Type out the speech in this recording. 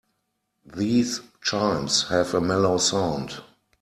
These chimes have a mellow sound.